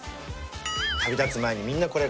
旅立つ前にみんなこれ。